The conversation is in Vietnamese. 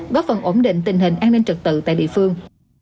góp phần ổn định tình hình an ninh trật tự tại địa phương